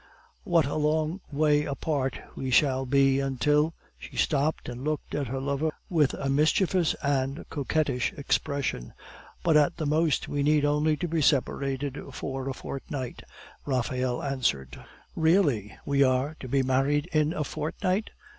"What a long way apart we shall be until " She stopped, and looked at her lover with a mischievous and coquettish expression. "But at the most we need only be separated for a fortnight," Raphael answered. "Really! we are to be married in a fortnight?"